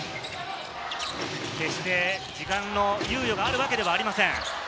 決して時間の猶予があるわけではありません。